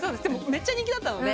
めっちゃ人気だったので。